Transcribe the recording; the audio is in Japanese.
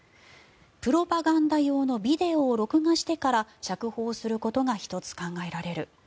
プロパガンダ用のビデオを録画してから釈放することが１つ考えられる。